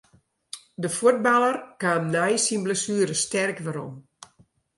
De fuotballer kaam nei syn blessuere sterk werom.